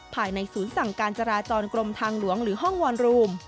ภายในศูนย์สั่งการจราจรกรมทางหลวงหรือห้องวอนรูม